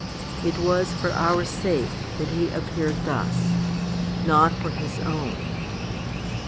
It was for our sake that he appeared thus, not for His own.